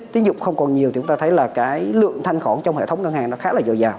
tín dụng không còn nhiều thì chúng ta thấy là cái lượng thanh khoản trong hệ thống ngân hàng nó khá là dồi dào